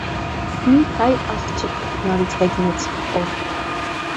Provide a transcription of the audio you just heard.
- մի հայ աղջիկ,- նորից հեգնեց օր.